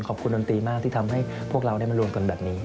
ดนตรีมากที่ทำให้พวกเราได้มารวมกันแบบนี้